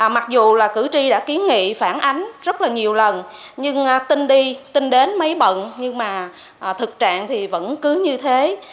mặc dù cử tri đã kiến nghị phản ánh rất nhiều lần nhưng tin đi tin đến mấy bận nhưng mà thực trạng vẫn cứ như thế